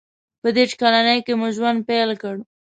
• په دېرش کلنۍ کې مې ژوند پیل کړ.